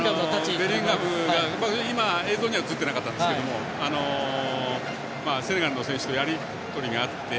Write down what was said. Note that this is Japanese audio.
ベリンガムが映像には映っていなかったんですけどセネガルの選手とやり取りがあって。